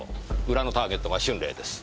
裏のターゲットは春麗です。